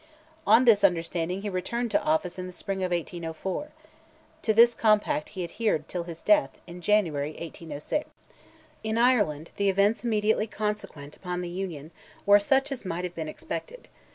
On this understanding he returned to office in the spring of 1804; to this compact he adhered till his death, in January, 1806. In Ireland, the events immediately consequent upon the Union, were such as might have been expected.